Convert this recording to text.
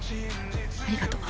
ありがとう。